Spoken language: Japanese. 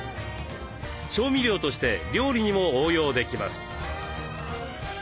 調味料として料理にも応用できます。